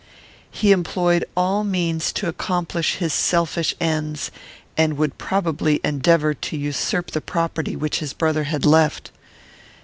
He employed all means to accomplish his selfish ends, and would probably endeavour to usurp the property which his brother had left.